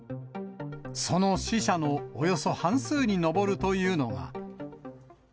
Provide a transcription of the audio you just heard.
その死者のおよそ半数に上るというのが。